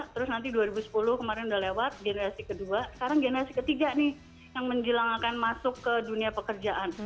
terus nanti dua ribu sepuluh kemarin udah lewat generasi kedua sekarang generasi ketiga nih yang menjelang akan masuk ke dunia pekerjaan